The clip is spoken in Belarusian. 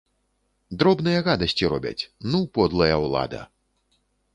Дробныя гадасці робяць, ну, подлая ўлада!